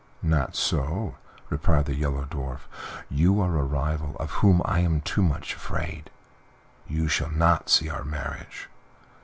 "Not so," replied the Yellow Dwarf; "you are a rival of whom I am too much afraid; you shall not see our marriage."